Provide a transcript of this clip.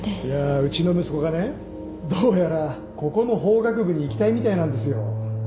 いやうちの息子がねどうやらここの法学部に行きたいみたいなんですよ